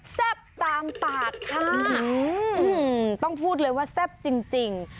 แซ่บตามปากค่ะต้องพูดเลยว่าแซ่บจริง